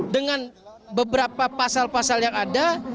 dengan beberapa pasal pasal yang ada